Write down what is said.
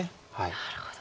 なるほど。